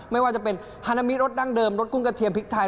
ไม่ว่าจะเป็นฮานามิรสดั้งเดิมรสกุ้งกระเทียมพริกไทย